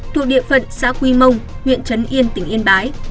thuộc địa phận xã quy mông huyện trấn yên tỉnh yên bái